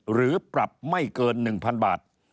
หรือปรับไม่เกิน๑๐๐๐บาท